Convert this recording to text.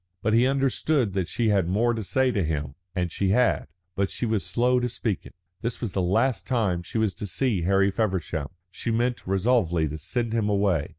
But he understood that she had more to say to him. And she had. But she was slow to speak it. This was the last time she was to see Harry Feversham; she meant resolutely to send him away.